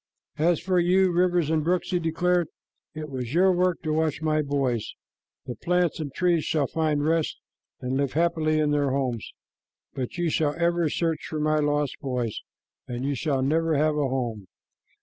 "As for you, rivers and brooks," he declared, "it was your work to watch my boys. The plants and trees shall find rest and live happily in their homes, but you shall ever search for my lost boys, and you shall never have a home."